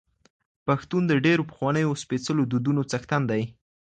پښتون د ډېرو پخوانیو او سپېڅلو دودونو څښتن دی.